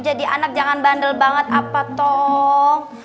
jadi anak jangan bandel banget apa tong